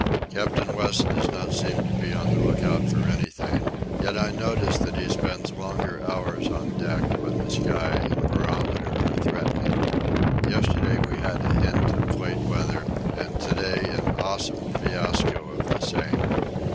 Captain West does not seem to be on the lookout for anything; yet I notice that he spends longer hours on deck when the sky and barometer are threatening. Yesterday we had a hint of Plate weather, and to day an awesome fiasco of the same.